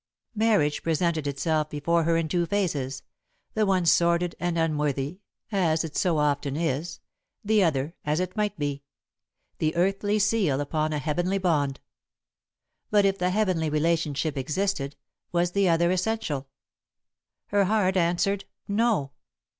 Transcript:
Marriage presented itself before her in two phases, the one sordid and unworthy, as it so often is, the other as it might be the earthly seal upon a heavenly bond. But, if the heavenly relationship existed, was the other essential? Her heart answered "No."